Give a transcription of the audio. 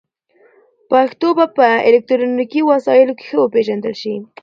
پښتو به په الکترونیکي وسایلو کې ښه وپېژندل شي.